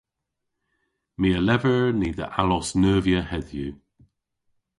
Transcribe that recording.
My a lever ni dhe allos neuvya hedhyw.